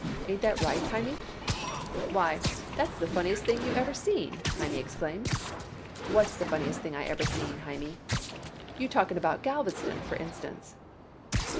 Ain't that right, Hymie?" "Why, that's the funniest thing you ever seen!" Hyman exclaimed. "What's the funniest thing I ever seen, Hymie?" "You talking about Galveston, for instance."